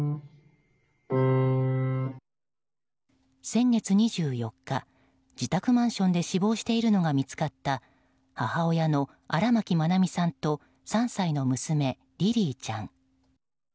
先月２４日、自宅マンションで死亡しているのが見つかった母親の荒牧愛美さんと３歳の娘リリィちゃん。